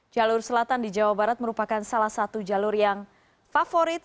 jalur selatan di jawa barat merupakan salah satu jalur yang favorit